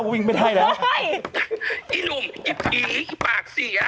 หนุ่มกัญชัยโทรมา